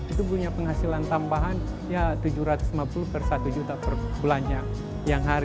itu punya penghasilan tambahan tujuh ratus lima puluh per satu juta per bulannya